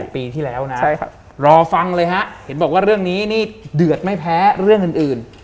ปีที่แล้วนะรอฟังเลยฮะเห็นบอกว่าเรื่องนี้นี่เดือดไม่แพ้เรื่องอื่น